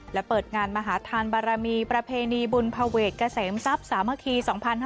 และเปิดงานมหาธานบารมีประเพณีบุญภาเวทเกษมทรัพย์สามัคคี๒๕๕๙